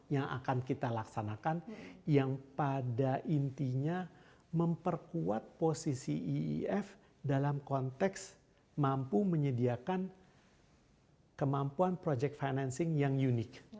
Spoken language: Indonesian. yang akan kita laksanakan yang pada intinya memperkuat posisi iif dalam konteks mampu menyediakan kemampuan project financing yang unik